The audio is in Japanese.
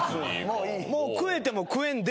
もう食えても食えんでもや。